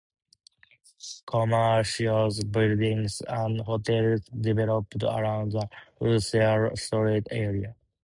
Commercials buildings and hotels developed around the Russell Street area.